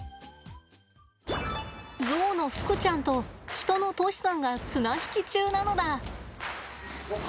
ゾウのふくちゃんとヒトの杜師さんが綱引き中なのだ。